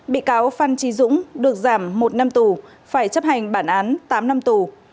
bị cáo phan trí dũng được giảm một năm tù phải chấp hành bản án tám năm tù